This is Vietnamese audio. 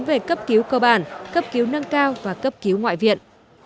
về cấp cứu cơ bản cấp cứu nâng cao và cấp cứu ngoại viện